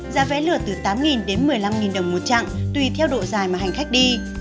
giá vé lượt từ tám đến một mươi năm đồng một chặng tùy theo độ dài mà hành khách đi